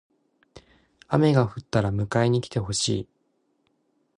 雨が降ったら迎えに来てほしい。